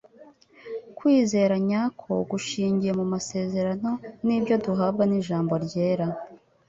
Kwizera nyako gushingiye mu masezerano n'ibyo duhabwa n'ijambo ryera.